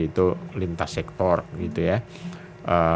itu lintas sektor gitu ya